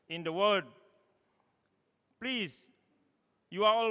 anda selalu diberi kesempatan